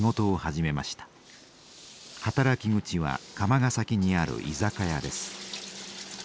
働き口は釜ヶ崎にある居酒屋です。